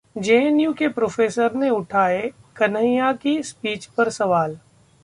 JNU के professor ने उठाए कन्हैया की स्पीच पर सवाल